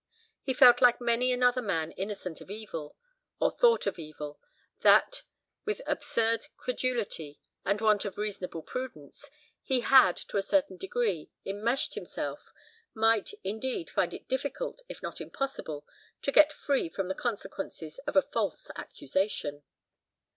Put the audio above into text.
He felt like many another man innocent of evil, or thought of evil, that, with absurd credulity, and want of reasonable prudence, he had, to a certain degree, enmeshed himself—might, indeed, find it difficult, if not impossible, to get free from the consequences of a false accusation.